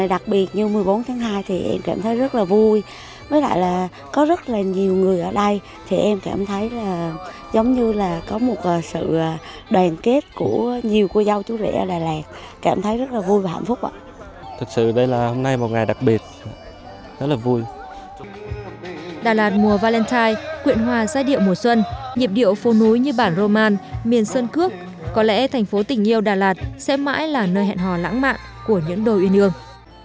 đà lạt mùa valentine quyện hòa giai điệu mùa xuân nhiệm điệu phố núi như bản roman miền sơn cước có lẽ thành phố tình yêu đà lạt sẽ mãi là nơi hẹn hò lãng mạn của những đôi uyên hương